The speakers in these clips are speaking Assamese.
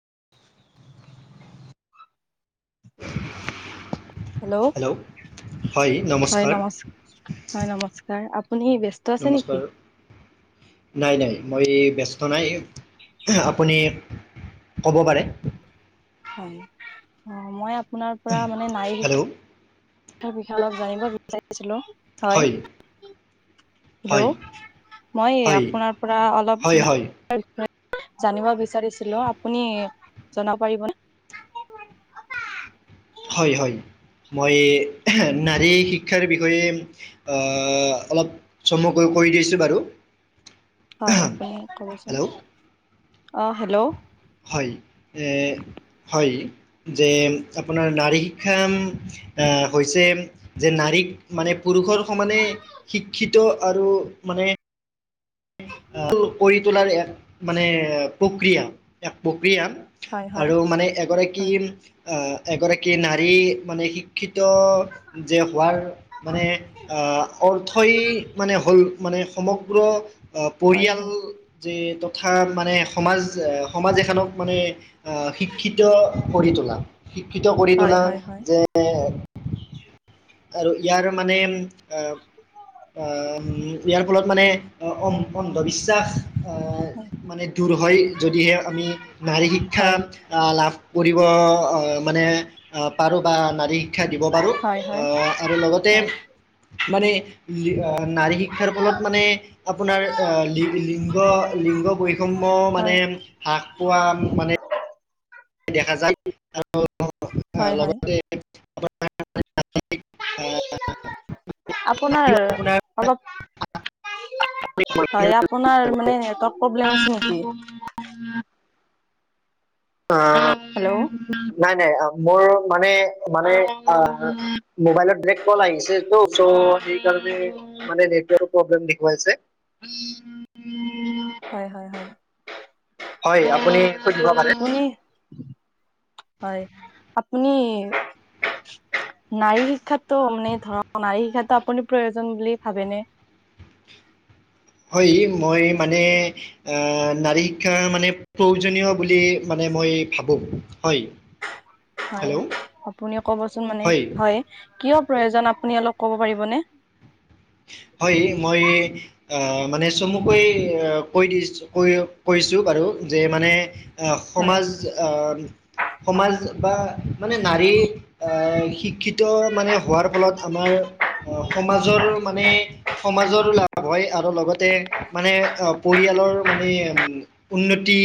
[unintelligible] হেল্ল' হয় নমস্কাৰ হয় নমস্কাৰ আপুনি ব্যস্ত আছে নমস্কাৰ নেকি? [unintelligible] নাই নাই মই ব্যস্ত নাই আপুনি কব পাৰে। হয় অ মই আপোনাৰ পৰা মানে নাই শিক হেল্ল' বিষয়ে অলপ জানিব বিচাৰিছিলো হয় হয় হেল্ল' মই হয় আপোনাৰ পৰা অলপ হয় হয় জানিব বিচাৰিছিলো আপুনি জনাব পাৰিবনে অ বা হয় হয়। মই নাৰী শিক্ষাৰ বিষয়ে অহ অলপ চমুকৈ কৈ দিছো বাৰু। হয় আপুনি কবচোন। হেল্ল' অ' হেল্ল' হয় এ হয়। যে আপোনাৰ নাৰী শিক্ষা এ হৈছে যে নাৰীক মানে পুৰুষৰ সমানে শিক্ষিত আৰু মানে কৰি তোলাৰ এক মানে প্ৰক্ৰিয়া এক প্ৰক কিয়া হয় ম হয় আৰু মানে এগৰাকী হয়। আ এগৰাকী নাৰী মানে শিক্ষিত যে হোৱাৰ মানে আহ অৰ্থই মানে হ'ল মানে সমগ্ৰ। অহ হয় পৰিয়াল হয় যে তথা মানে সমাজ সমাজ এখনক মানে আ শিক্ষিত কৰি তোলা শিক্ষিত কৰি তোলা যে হ আৰু ইয়াৰ মানে আহ আহ ইয়াৰ ফলত মানে অন্ধবিশ্বাস। হয়। মানে দূৰ হয় যদিহে আমি নাৰী শিক্ষা হয় আহ, লাভ কৰিব অ, মানে পাৰো বা নাৰী। শিক্ষা দিব পাৰোঁ হয় হয়। আহ, আৰু লগতে মানে আহ, নাৰী শিক্ষাৰ ফলত মানে লিংগ-লিংগ বৈষম্য মানে হয় হাক পোৱা মানে দেখা যায় হয় হয় [inaudible] হয় লগতে [inaudible] আপোনাৰ আপোনাৰ অলপ হয় আপোনাৰ মানে নেটৰ্ক প্ৰব্লেম আছে নেকি? অ, হেল্ল' নাই-নাই। মোৰ মানে-মানে অ, মোবাইলত ব্লেগ কল আহিছে তো চ' সেইকাৰে মানে নেটৱৰ্ক প্ৰব্লেম দেখুৱাইছে। হয়-হয়-হয়। হয় আপুনি সুধিব পাৰে আপুনি, হয় আপুনি নাৰী শিক্ষাতো মানে ধৰক নাৰী শিক্ষাতটো আপুনি প্ৰয়োজন বুলি ভাবেনে? [inaudible] হয় মই মানে নাৰী শিক্ষা মানে প্ৰয়োজনীয় বুলি মানে মই ভাবো হয়। হয় হেল্ল' আপুনি কবচোন মানে হয়। কিয় প্ৰয়োজন আপুনি অলপ কব পাৰিবনে? হয়, মই এ আহ মানে চমুকৈ কৈ দিছো কৈ-কৈছোঁ বাৰু। যে মানে হয়। সমাজ আম, সমাজ বা মানে নাৰী আহ, শিক্ষিত মানে হোৱাৰ ফলত আমাৰ সমাজৰ মানে সমাজৰ লাভ হয় আৰু লগতে মানে আ, পৰিয়ালৰ মানে উন্নতি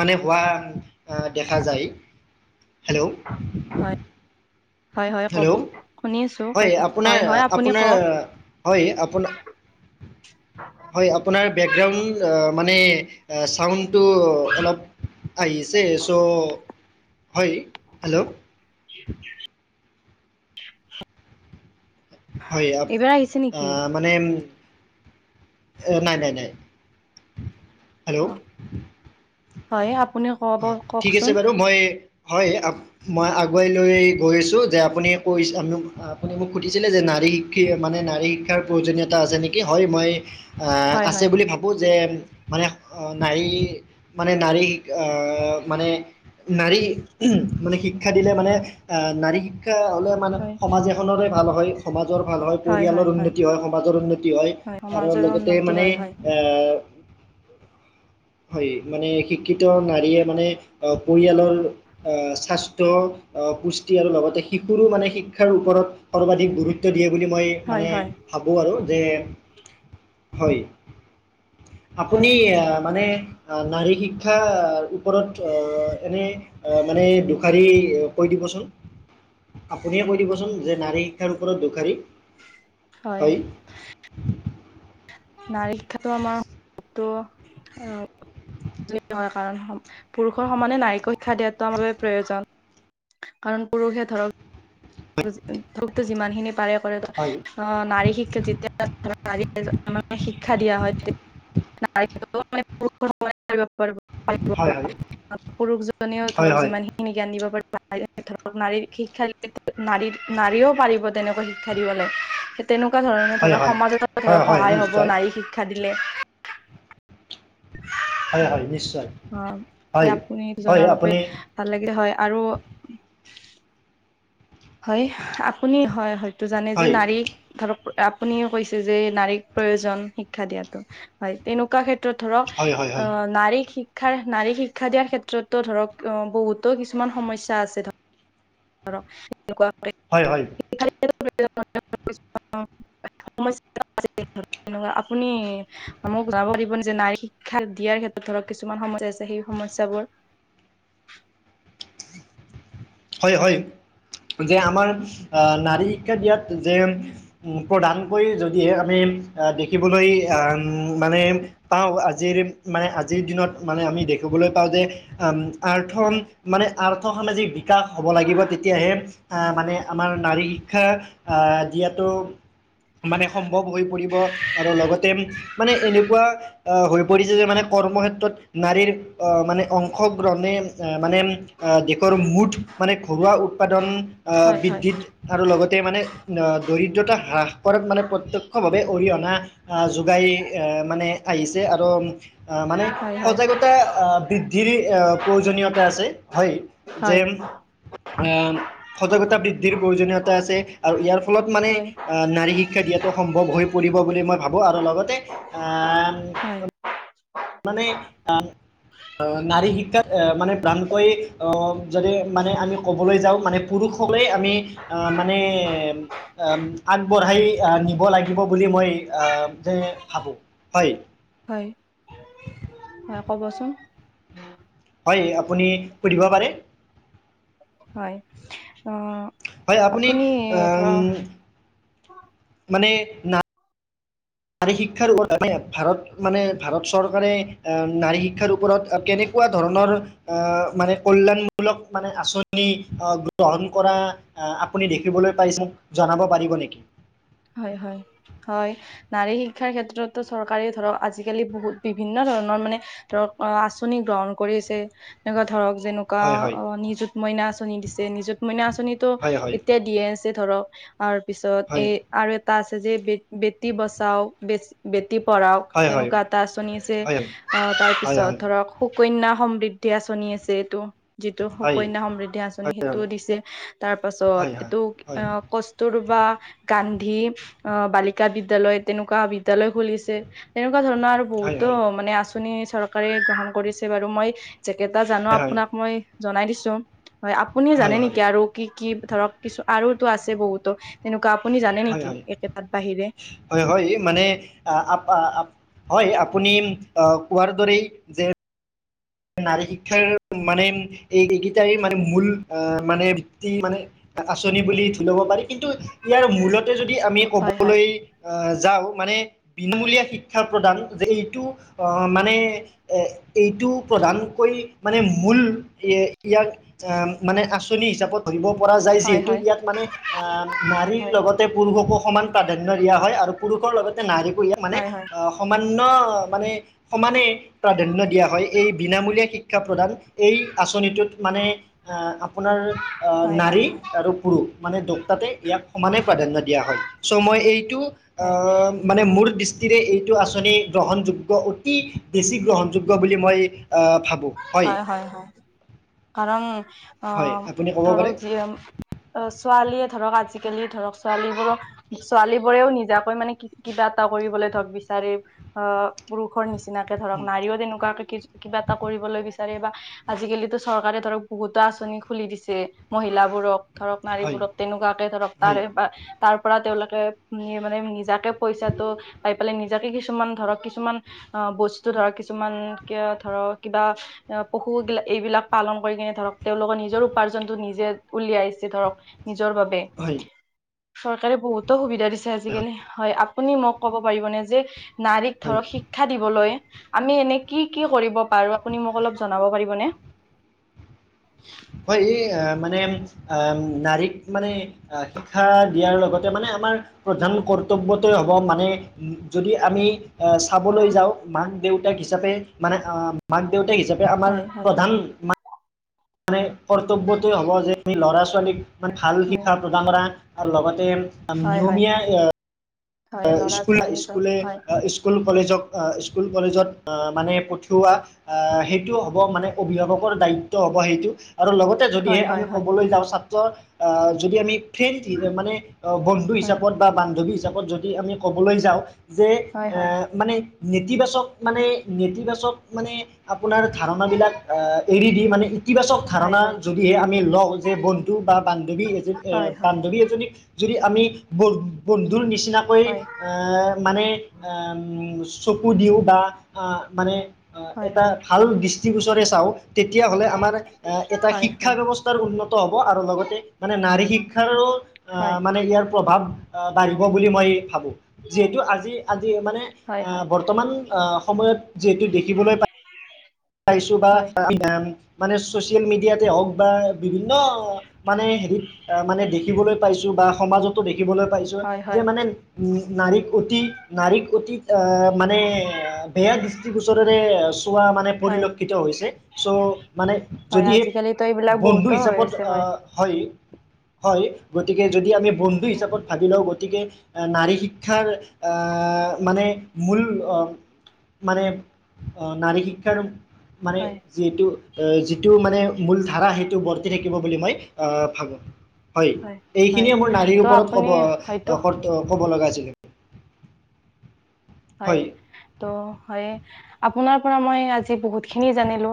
মানে হোৱা দেখা যায়। হেল্ল'? হয় হয় ক'ব। হেল্ল' শুনি আছো কৈ হয় থাক হয় আপুনি আপোনাৰ-আপোনাৰ কওক হয়, আপোনাৰ হয় আপোনাৰ বেকগ্ৰাউণ্ড অহ মানে শাওন টো অলপ আহিছে চ হয়, হেল্ল'? [inaudible] হয় এইবাৰ আহিছে আ, নেকি? মানে অ, নাই-নাই-নাই। হেল্ল'? অ হয় আপুনি কব অ, ঠিক আছে কওকচোন বাৰু মই হয় মই আগুৱাই লৈ গৈ আছোঁ যে আপুনি কৈ আপুনি মোক সুধিছিলে যে নাই নাৰী শিক্ষ মানে নাৰী শিক্ষাৰ প্ৰয়োজনীয়তা আছে নেকি? হয় মই আহ, হয় আছে হয় বুলি ভাবো যে মানে নাৰী মানে নাৰী আহ, মানে নাৰী মানে শিক্ষা দিলে মানে নাৰী শিক্ষা হ'লে মানে হয় সমাজ এখনৰে ভাল হয়, সমাজ ৰ ভাল হয়, পৰিয়ালৰ উন্নতি হয়, সমাজৰ উন্নতি হয়, আৰু সমাজৰো লগতে উন্নতি মানে হয় হয় আহ, হয় মানে শিক্ষিত নাৰীয়ে মানে পৰিয়ালৰ আহ, স্বাস্থ্য, আহ, পুষ্টি আৰু লগতে শু মানে শিক্ষাৰ ওপৰত সৰ্বাধিক গুৰুত্ব হেইবুলি মই হয় মানে হয় ভাবো আৰু যে, হয়। হয় আপুনি আহ, মানে আহ, নাৰী শিক্ষা ওপৰত অ, এনে মানে দুখাৰী কৈ দিবচোন। আপুনিয়ে কৈ দিবচোন যে নাৰী শিক্ষাৰ ওপৰত দোষাৰী। হয়। নাৰিক্ষটো আমাৰ টো আহ। কাৰণ পুৰুষৰ সমানে নাৰীক শিক্ষা দিয়াটো বাবে প্ৰয়োজন। কাৰণ পুৰুষে ধৰক ধৰকতো যিমানখিনি পাৰে কৰে হয় আহ নাৰী শিক্ষা যেতিয়া নাৰ মে শিক্ষা দিয়া হয়। হয় হয় ন পুৰুষজনেও হয় ধৰক হয় যিমান খিনি জ্ঞান দিব পাৰিব নাৰী খ খেল। নাৰী নাৰীও পাৰিব তেনেকুৱা শিক্ষা দিবলৈ। তেনেকুৱা ধৰণে হয় ধৰক হয় সমাজত হয় ধৰক হয় সহায় হ'ব নিশ্চয় নাৰীক শিক্ষা দিলে। হয় হয় নিশ্চয়। অ স হয় আপুনি হয় জনাৰ বাবে আপুনি ভাল লাগিল হয় আৰু [unintelligible] হয় আপুনি হয় হয়তো জানে যে হয় নাৰীক ধৰক আপুনিও কৈছে যে নাৰীক প্ৰয়োজন শিক্ষা দিয়াো হয় তেনেকুৱা ক্ষেত্ৰত। থৰ হয় হয় হয় অ নাৰী শ। শিক্ষাৰ, নাৰী শিক্ষা দিয়াৰ ক্ষেত্ৰতো ধৰক বহুতো কিছুমান সমস্যা আছে ধ [unintelligible] হয়-হয়। [unintelligible] তেনেকুৱা। আপুনি মোক জনাব দাগিবনে যে নাৰী শিক্ষা দিয়াৰ ক্ষেত্ৰত ধৰক কিছুমান সমস্যা আছে সমস্যাবোৰ। হয় হয়। যে আমাৰ নাৰী শিক্ষা দিয়াত যে প্ৰধানকৈ যদিহে আমি। দেখিবলৈ আহ মানে পাওঁ আজিৰ মানে আজিৰ দিনত মানে আমি। দেখিবলৈ পাওঁ যে। আৰ্থ হয় মানে আৰ্থ সামাজিক বিকাশ হ'ব লাগিব তেতিয়াহে। মানে আমাৰ নাৰী শিক্ষা আহ দিয়টো। মানে সম্ভৱ হৈ পৰিব আৰু লগতে মানে এনেকুৱা আহ হৈ পৰিছে যে মানে। কৰ্মক্ষেত্ৰত নাৰীৰ মানে অংশগ্ৰহণে মানে দেশৰ মুঠ। মানে ঘৰুৱা উৎপাদন আহ হয় হয় বৃদ্ধিত আৰু লগতে মানে দৰিদ্ৰতা হ্ৰাস কৰাত মানে প্ৰত্য়ক্ষ ভাৱে অৰিহণা আহ যোগাই এ মানে। আহিছে আৰু আহ মানে হয় হয় সজাগতা বৃদ্ধিৰ প্ৰয়োজনীয়তা আছে হয় হয় যেয়ম। আহ সতকতা বৃদ্ধিৰ প্ৰয়োজনীয়তা আছে আৰু ইয়াৰ। ফলত মানে হয় নাৰী শিক্ষা দিয়াটো সম্ভৱ হৈ। পব বুলি মই ভাবোঁ আৰু হয় লগতে। মানে আহ। অ নাৰী শিক্ষাত এ মানে ভ্ৰাণকৈ আহ যদি মানে আমি কবলৈ যাওঁ মানে পুৰুষ। আমি মানে আগবঢ়াই নিব লাগিব বুলি মই হাব হয়। হা কবচোন। হয় আপুনি সুধিব পাৰে। হয় অ হয় আপুনি। ধৰ মানে ন নাৰী শিক্ষাৰ ভাৰত মানে ভাৰত চৰকাৰে নাৰী শিক্ষাৰ ওপৰত কেনেক। এনেকুৱা ধৰণৰ আহ মানে কল্যাণমূলক মানে আঁচনি আহ গ্ৰহণ কৰা আহ আপুনি দেখিবলৈ পাইছে জনাব পাৰিব নেকি? হয় হয়। হয়, নাৰী শিক্ষাৰ ক্ষেত্ৰতো চৰকাৰে ধৰক আজিকালি বহুত বিভিন্ন ধৰণৰ মানে ধৰক অ আঁচনি গ্ৰহণ কৰিছে এনেকুৱা ধৰক যেনেকুৱা হয় হয় অ নিজুত মইনা আঁচনি দিছে নিযুত মইনা আঁচনি টো হয় হয় এতিয়া দিয়ে। ধৰক তাৰ পিছত হয় এই আৰু এটা আছে যে ব বেটি বচাও বে পঢ়ওক হয় হয় হয় হয় তেনেকুৱা এটা আচনি আছে হয় হয় তাৰ হয় হয় হয় হয় হয় পিছত হয় ধৰক কন্যা সমৃদ্ধি আঁচনি আছে এইটো। যিটো হয় সুকন্যা সমৃদ্ধি আঁচনি সেইটোও দিছে তাৰ পাছত এইটো হয় কষ্টুৰ। বা গান্ধী অ বালিকা বিদ্যালয় তেনেকুৱা বিদ্যালয় খুলিছে তেনেকুৱা। এনেকুৱা ধৰণৰ আৰু হয় বহুতো মানে আঁচনি চৰকাৰে গ্ৰহণ কৰিছে বাৰু মই। জেইকেইটা জানো হয় আপোনাক মই জনাই দিছোঁ, হয় আপুনিে জানে নেকি আৰু কি কি। ধৰক কিছু আৰু তো আছে বহুতো তেনেকুৱা। আপুনি জানে হয় নেকি হয়, একেটাত বাহিৰে হয় হয় মানে। হয়, আপুনি কোৱাৰ দৰেই যে। নাৰী শিক্ষাৰ মানে এই এইকেইটাই মানে মূল মানে ভিত্তি মানে। আঁচনি বুলি ধৰি ল'ব পাৰি কিন্তু ইয়াৰ মূলতে যদি আমি হয় হয় ক'বলৈ আহ। যাওঁ মানে বিনামূলীয়া শিক্ষা প্ৰদান যে এইটো মানে এইটো। প্ৰধানকৈ মানে মূল ইয়াক মানে আঁচনি হিচাপত। ধৰিব পৰা যায় হয় যিহেতু হয় ইয়াত মানে নাৰীৰ হয় লগতে পুৰুষকো সমান প্ৰাধান্য দিয়া হয় আৰু। পুৰুষৰ লগতে নাৰিকো মানে হয় হয় সমান্য মানে সমানে। প্ৰাধান্য দিয়া হয়। এই বিনামূলীয়া শিক্ষা প্ৰদান এই আঁচনিটোত। মানে আহ আপোনাৰ হয় হয় নাৰী হয় আৰু পুৰুষ মানে দুটাতে। ইয়াক সমানে প্ৰাধান্য দিয়া হয় চ' মই এইটো আহ মানে মোৰ। এইটো আঁচনি গ্ৰহণযোগ্য অতি বেছি গ্ৰহণযোগ্য বুলি আ মই ভাবোঁ। হয় হয় হয় কাৰণ। অ হয় আপুনি ক'ব ধৰক পাৰে যি। ছোৱালীয়ে ধৰক আজিকালি ধৰক ছোৱালী বোৰক ছোৱালী বোৰেও নিজাকৈ মানে কিবা এটা কৰিব লাগে। ধৰক বিচাৰি অ পুৰুষৰ নিচিনাকে ধৰক নাৰীও তেনেকুৱাকে কিবা এটা কৰিবলৈ। বিচাৰে বা আজিকালিতো চৰকাৰে ধৰক বহুতো আঁচনি খুলি দিছে মহিলাবোৰক। ধৰক হয় নাৰীবোৰক তেনেকুৱাকে ধৰক হয় তাৰে বা। তাৰ পৰা তেওঁলোকে মানে নিজাকে পইচাটো পাই পেলাই নিজাকে কিছুমান ধৰক কিছুমান। অ'বস্তু ধৰ কিছুমান ক ধৰক কিবা। পশুবিলাক এইবিলাক পালন কৰি কিনে ধৰক তেওঁলোকৰ নিজৰ উপাৰ্জনতটো নিজে উলিয়াইছে ধৰক। নিজৰ বাবে হয় চৰকাৰে বহুতো সুবিধা দিছে আজিকালি হয় আ। আপুনি মোক ক'ব পাৰিবনে যে নাৰীক হয় ধৰক শিক্ষা দিবলৈ আমি এনে কি কি কৰিব। পাৰো আপুনি মোক অলপ জনাই দিব। পাৰিবনে। হয়, এই মানে আহ নাৰীক মানে শিক্ষা দিয়াৰ লগত। মানে আমাৰ প্ৰধান কৰ্তব্য হ'ব মানে যদি আমি। আহ চাবলৈ হয় যাওঁ মাক দেউতাক হিচাপে মানে আহ মাক দেউতাক। হিচাপে আমাৰ হয় হয় প্ৰধান মান। মানে কৰ্তব্যটোয়ে হ'ব যে আমি ল'ৰা ছোৱালীক মানে ভাল শিক্ষা প্ৰদান কৰা। আৰু লগতে হয় হয় হয় নিয়মীয়া এ। হয় ল'ৰা স্কুল, ছোৱালী স্কুলে হয় স্কুল কলেজত। অ স্কুল কলেজত অ মানে পঠিওৱা সেইটো হ'ব মানে অভিভাৱকৰ দায়িত্ব হ'ব। সেইটো আৰু লগতে যদিহে হয় আমি হয় হয় ক'বলৈ যাওঁ ছাত্ৰ আহ যদি আমি। ফ্ৰেণ্ড মানে বন্ধু হয় হিচাপত বা, বান্ধৱী হিচাপত যদি আমি ক'বলৈ যাওঁ। যে হয় এ হয় মানে নেতিবাচক মানে নেতিবাচক মানে। আপোনাৰ ধাৰণাবিলাক এৰি দি মানে ইতিবাচক হয় ধাৰণা যদিহে আমি লওঁ যে বন্ধু বা।। বান্ধৱী এজন এ হয় হয় হয় বান্ধৱী এজনী। যদি আমি ব বন্ধুৰ নিচিনাকৈ হয় আ মানে আ। চকু দিওঁ বা আহ মানে হয় হয় এটা হয় ভাল দৃষ্টিগোচৰে চাওঁ। তেতিয়া হ'লে আমাৰ এটা হয় শিক্ষা হয় ব্যৱস্থাৰ উন্নত হ'ব আৰু লগতে মানে নাৰী শিক্ষাৰো। আহ মানে ইয়াৰ প্ৰভাৱ বাঢ়িব বুলি মই। ভাবো যিহেতু আজি আজি মানে হয় হয় হয় আহ বৰ্তমান সময়ত যিহেতু দেখিবলৈ পাই। পাইছো বা মানে চচিয়েল মিডিয়াতে হওঁক বা বিভিন্ন। মানে হেৰিত আহ মানে দেখিবলৈ পাইছোঁ। বা সমাজতো দেখিবলৈ পাইছোঁ হয় হয় যে মানে। উ নাৰীক অতি নাৰীক অতিক আহ মানে বেয়া দৃষ্টিগোচ চ চোৱা মানে হয় পৰিলক্ষিত হৈছে চ' মানে হয় যদিহে আজিকালিতো এইবিলাক বন্ধু বহুতো হৈ হিচাপত আছে আহ হয় হয় গতিকে যদি আমি বন্ধু হয় হিচাপত ভাবি লও গতিকে নাৰী শিক্ষাৰ মানে মূল মানে নাৰী শিক্ষাৰ মানে হয় যিহেতু যিটো মানে মূল ধাৰা সেইটো বৰ্তি থাকিব বুলি মই আহ ভাবো হয় এইখিনিয়ে মোৰ নাৰীৰ ত' আপুনি হয়তো ওপৰত ক'ব ক'ব লগা আছিলে হয় ত হয়। আপোনাৰ পৰা মই আজি বহুত খিনি জানিলো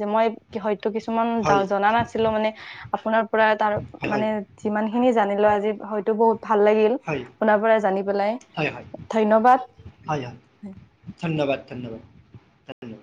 যে মই কিহত। তটো কিছুমান হয় জনা নাছিলো, মানে আপোনাৰ পৰা তাৰ হয় মানে যিমান। সেইিনি জিলৈ আজি হয়তো বহুত। ভাল লাগিল হয় হয় আপোনাৰ পৰা জানি পেলাই হয় হয় ধন্যবাদ। হয় হয় ধন্যবাদ ধন্যবাদ ধন্যবাদ